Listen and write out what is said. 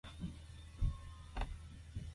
가져가.